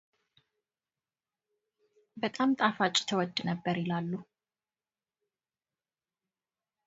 በጣም ጣፋጭ ትወድ ነበር ይላሉ።